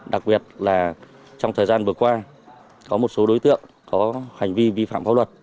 đặc biệt là trong thời gian vừa qua có một số đối tượng có hành vi vi phạm pháp luật